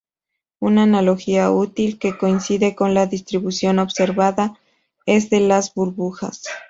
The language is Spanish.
Una analogía útil que coincide con la distribución observada es la de las burbujas.